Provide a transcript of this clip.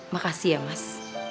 makasih ya mas